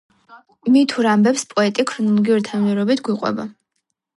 მითურ ამბებს პოეტი ქრონოლოგიური თანმიმდევრობით გვიყვება.